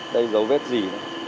đây dấu vết dỉ